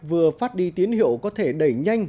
vừa phát đi tiến hiệu có thể đẩy nhanh